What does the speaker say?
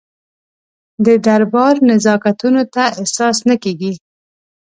د دربار نزاکتونه ته احساس نه کېږي.